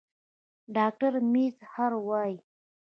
ډاکټر میزهر وايي